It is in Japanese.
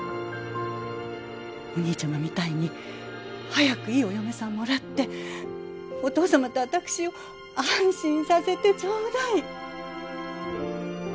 お兄ちゃまみたいに早くいいお嫁さんもらってお父さまと私を安心させてちょうだい。